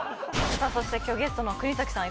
さあそして今日ゲストの国崎さん